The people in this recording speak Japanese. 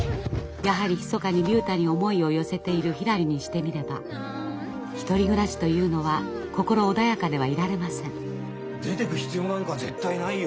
やはりひそかに竜太に思いを寄せているひらりにしてみれば１人暮らしというのは心穏やかではいられません。出てく必要なんか絶対ないよ。